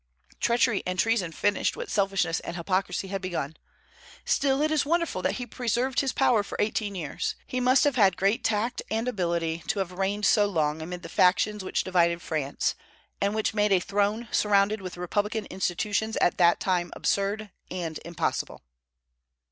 Treachery and treason finished what selfishness and hypocrisy had begun. Still, it is wonderful that he preserved his power for eighteen years. He must have had great tact and ability to have reigned so long amid the factions which divided France, and which made a throne surrounded with republican institutions at that time absurd and impossible.